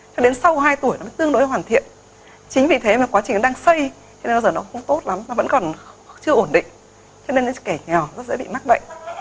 có hai tuổi nó mới tương đối hoàn thiện chính vì thế mà quá trình nó đang xây cho nên nó giờ nó cũng tốt lắm nó vẫn còn chưa ổn định cho nên nó sẽ kẻ nhỏ nó sẽ bị mắc bệnh